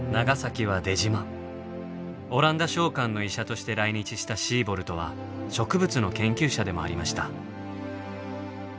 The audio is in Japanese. オランダ商館の医者として来日したシーボルトは植物の研究者でもありました。